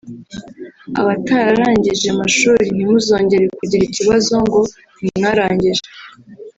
abatararangije amashuri ntimuzongere kugira ikibazo ngo ntimwarangije